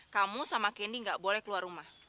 kamu sama candy tidak boleh keluar rumah